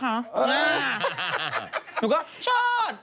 หนูก็ชอบ